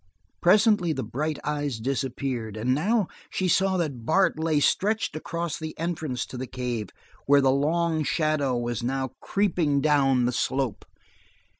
Presently the bright eyes disappeared, and now she saw that Bart lay stretched across the entrance to the cave, where the long shadow was now creeping down the slope.